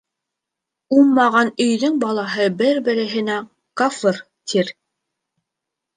Уңмаған өйҙөң балаһы бер-береһенә «кафыр» тир.